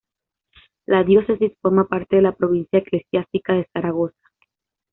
La diócesis forma parte de la provincia eclesiástica de Zaragoza.